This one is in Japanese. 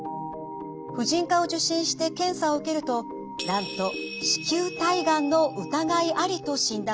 婦人科を受診して検査を受けるとなんと子宮体がんの疑いありと診断されたのです。